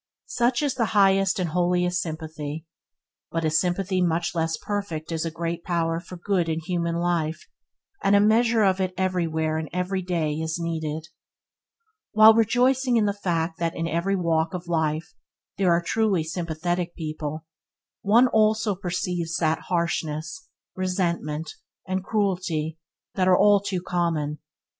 Such is the highest and holiest sympathy, but a sympathy much less perfect is a great power for good in human life and a measure of it is everywhere and every day needed. While rejoicing in the fact that in every walk in life there are truly sympathetic people, one also perceives that harshness, resentment, and cruelty are all too common.